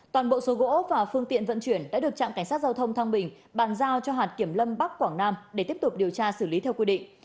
toàn bộ số gỗ và phương tiện vận chuyển đã được trạm cảnh sát giao thông thăng bình bàn giao cho hạt kiểm lâm bắc quảng nam để tiếp tục điều tra xử lý theo quy định